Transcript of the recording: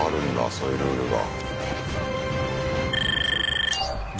そういうルールが。